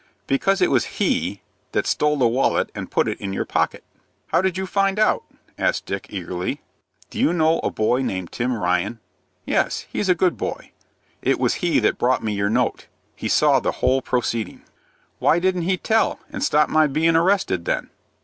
"Because it was he that stole the wallet and put it in your pocket." "How did you find out?" asked Dick, eagerly. "Do you know a boy named Tim Ryan?" "Yes; he's a good boy." "It was he that brought me your note. He saw the whole proceeding." "Why didn't he tell, and stop my bein' arrested, then?"